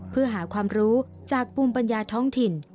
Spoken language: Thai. เพื่อหาความรู้จากภูมิปัญญาท้องถิ่น